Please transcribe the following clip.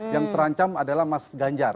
yang terancam adalah mas ganjar